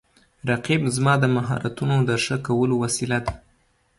رقیب زما د مهارتونو د ښه کولو وسیله ده